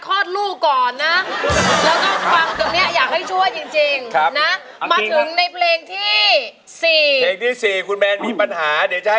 คุณพิจิตรทั้งคู่เลยขอบัตรหน่อยนะ